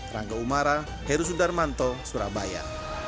rangga umara heru sudarmanto surabaya